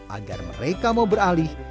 agar mereka mau beralih